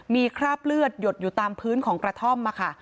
มีคราบเลือดหยดอยู่ตามพื้นของกระท่อมค่ะ